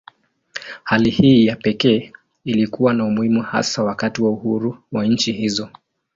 Hali hii ya pekee ilikuwa na umuhimu hasa wakati wa uhuru wa nchi hizo.